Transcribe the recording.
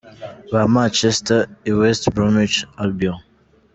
ba Manchester i West Bromich Albion.